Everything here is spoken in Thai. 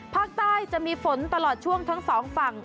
ภาคใต้จะมีฝนตลอดช่วงทั้งสองฝั่ง